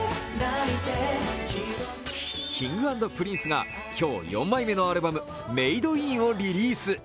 Ｋｉｎｇ＆Ｐｒｉｎｃｅが今日４枚目のアルバム「Ｍａｄｅｉｎ」をリリース。